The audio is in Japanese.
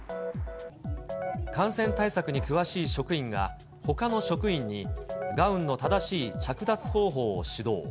感染対策に詳しい職員が、ほかの職員に、ガウンの正しい着脱方法を指導。